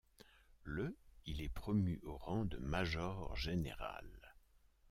Le il est promu au rang de major-général.